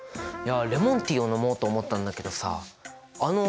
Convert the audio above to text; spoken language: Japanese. レモンティーを飲もうと思ったんだけどさあの